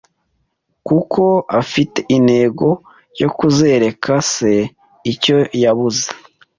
kuko afite intego yo kuzereka se icyo yabuze